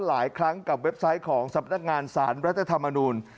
หลายครั้งกับเว็บไซต์ของสำนักงานสารรัฐธรรมนูล